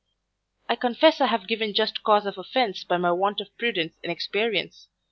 I confess I have given just cause of offence by my want of prudence and experience.